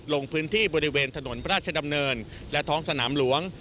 ลงพื้นที่บริเวณถนนพระราชดำเนินและท้องสนามหลวง